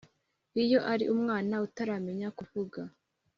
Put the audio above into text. iyo ari umwana utaramenya kuvuga